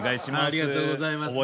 ありがとうございます。